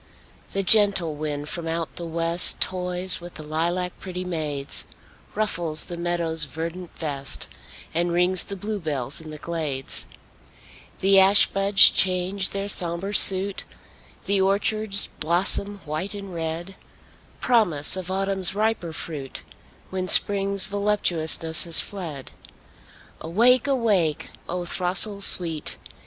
The gentle wind from out the west Toys with the lilac pretty maids; Ruffles the meadow's verdant vest, And rings the bluebells in the glades; The ash buds change their sombre suit, The orchards blossom white and red— Promise of Autumn's riper fruit, When Spring's voluptuousness has fled. Awake! awake, O throstle sweet!